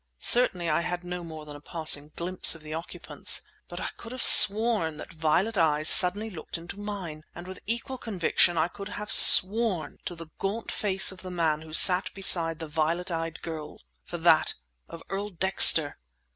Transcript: Certainly, I had no more than a passing glimpse of the occupants; but I could have sworn that violet eyes looked suddenly into mine, and with equal conviction I could have sworn to the gaunt face of the man who sat beside the violet eyed girl for that of Earl Dexter!